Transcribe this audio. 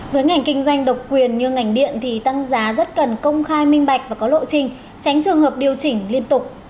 với ngành kinh doanh độc quyền như ngành điện thì tăng giá rất cần công khai minh bạch và có lộ trình tránh trường hợp điều chỉnh liên tục